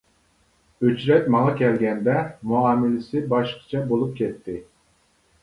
ئۆچرەت ماڭا كەلگەندە مۇئامىلىسى باشقىچە بولۇپ كەتتى.